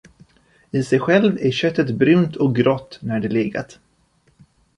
I sig själv är köttet brunt och grått, när det legat.